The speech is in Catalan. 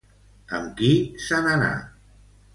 Amb qui se n'anà?